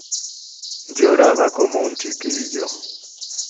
Lloraba como un chiquillo.